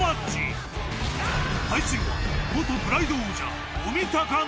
［対するは］